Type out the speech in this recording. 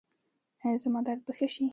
ایا زما درد به ښه شي؟